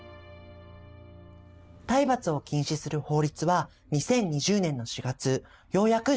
体罰を禁止する法律は２０２０年の４月ようやく施行されました。